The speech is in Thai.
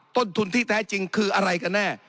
ต้นทุนที่แท้จริงคืออะไรกันแน่